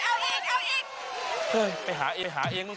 เฮ้ยไปหาเองไปหาเองล่ะ